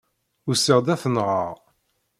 Usiɣ-d ad t-nɣeɣ.